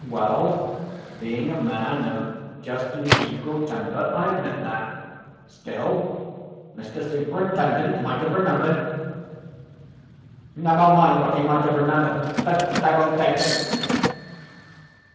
Well, being a man of just an equal temper, I admit that. Still Mr. Superintendent might have remembered—never mind what he might have remembered. The devil take him!